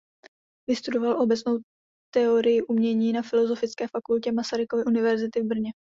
Vystudoval obecnou teorii umění na Filozofické fakultě Masarykovy univerzity v Brně.